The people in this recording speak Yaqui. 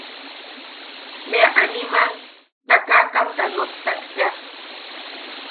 Bea animal takakamta nottak tea.